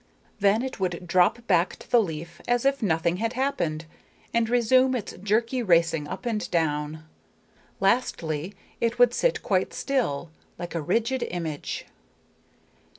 Then it would drop back to the leaf, as if nothing had happened, and resume its jerky racing up and down. Lastly, it would sit quite still, like a rigid image.